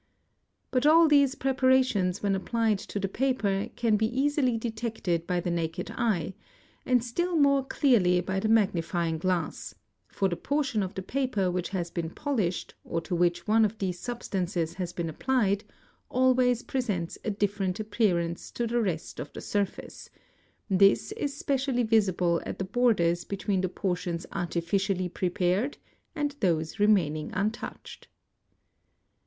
But all these preparations when applied to the paper can | beeasily detected by the naked eye, and still more clearly by the magnify ing glass, for the portion of the paper which has been polished or to which one of these substances has been applied, always presents a different @ appearance to the rest of the surface; this is specially visible at the borders between the portions artificially prepared and those remaining untouched.